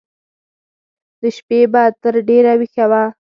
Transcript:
د شپې به تر ډېره ويښ و.